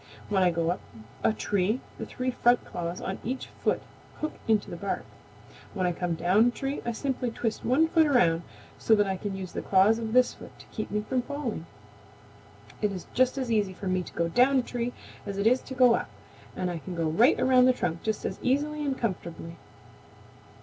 When I go up a tree the three front claws on each foot hook into the bark. When I come down a tree I simply twist one foot around so that I can use the claws of this foot to keep me from falling. It is just as easy for me to go down a tree as it is to go up, and I can go right around the trunk just as easily and comfortably."